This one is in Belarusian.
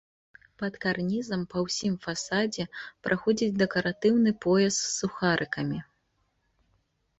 Пад карнізам па ўсім фасадзе праходзіць дэкаратыўны пояс з сухарыкамі.